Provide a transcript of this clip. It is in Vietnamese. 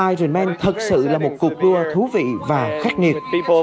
ironman thật sự là một cuộc đua thú vị và khắc nghiệt